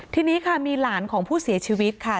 ทีนี้ค่ะมีหลานของผู้เสียชีวิตค่ะ